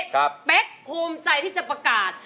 เป๊กภูมิใจที่จะประกาศ